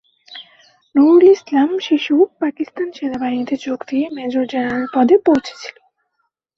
নুরুল ইসলাম শিশু পাকিস্তান সেনাবাহিনীতে যোগ দিয়ে মেজর জেনারেল পদে পৌঁছেছিল।